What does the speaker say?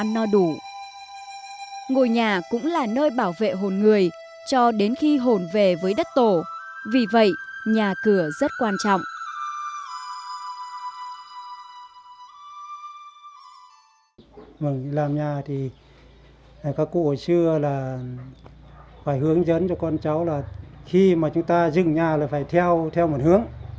nhà cũng là nơi bảo vệ hồn người cho đến khi hồn về với đất tổ vì vậy nhà cửa rất quan trọng